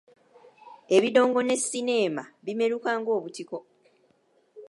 Ebidongo ne sineema bimeruka ng’obutiko.